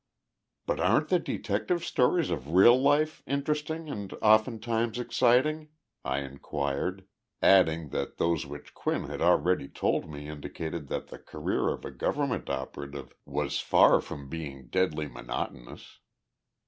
"But aren't the detective stories of real life interesting and oftentimes exciting?" I inquired, adding that those which Quinn had already told me indicated that the career of a government operative was far from being deadly monotonous.